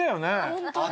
ホントに。